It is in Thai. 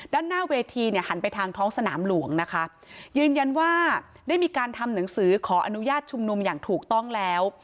ด้านหน้าเวทีเนี่ยหันไปทางท้องสนามหลวงนะคะยืนยันว่าได้มีการทำหนังสือขออนุญาตชุมนุมอย่างถูกต้องแล้ว